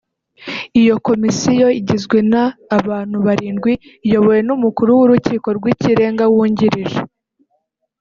Iyo komisiyo igizwe na’abantu barindwi iyobowe n’umukuru w’urukiko rw’ikirenga wungirije